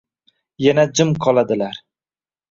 Yana jim qoladilar.